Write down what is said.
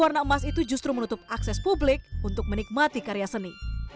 warna emas itu justru menutup akses publik untuk menikmati karya seni